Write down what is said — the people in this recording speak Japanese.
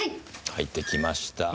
入ってきました。